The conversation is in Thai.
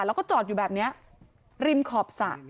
แล้วก็จอดอยู่แบบนี้ริมขอบสระ